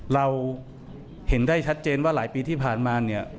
เราเห็นได้ชัดเจนว่าหลายปีที่ผ่านมาเนี่ย